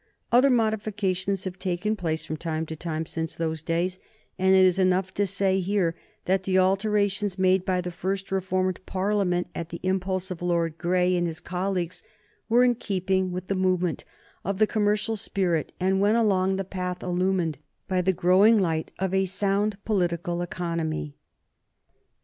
Other modifications have taken place from time to time since those days, and it is enough to say here that the alterations made by the first reformed Parliament, at the impulse of Lord Grey and his colleagues, were in keeping with the movement of the commercial spirit and went along the path illumined by the growing light of a sound political economy.